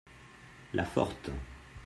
la forte.